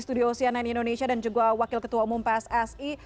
studio cnn indonesia dan juga wakil ketua umum pssi